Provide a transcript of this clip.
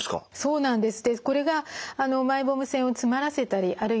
そうなんです。